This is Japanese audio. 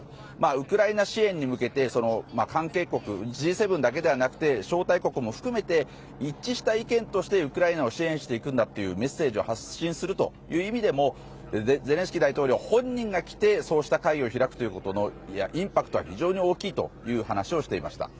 ウクライナ支援に向けて、関係国Ｇ７だけではなくて招待国も含めて一致した意見としてウクライナを支援していくんだというメッセージを発信するという意味でもゼレンスキー大統領本人が来てそうした会議を開くということのインパクトは非常に大きいという話をしていました。